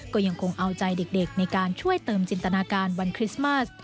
ก็ยังคงเอาใจเด็กในการช่วยเติมจินตนาการวันคริสต์มาส